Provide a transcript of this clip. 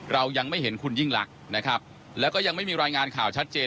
เรายังไม่เห็นคุณยิ่งลักษณ์นะครับแล้วก็ยังไม่มีรายงานข่าวชัดเจน